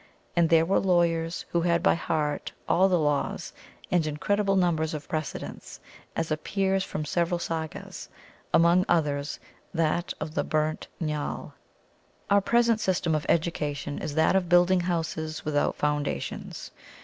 And there were lawyers who had by heart all the laws, and incredible numbers of precedents, as appears from several sagas, among others, that of The Burnt Njall. Our present system of Education is that of building houses without foundations.